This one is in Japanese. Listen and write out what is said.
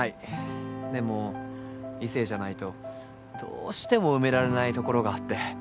でも異性じゃないとどうしても埋められないところがあって。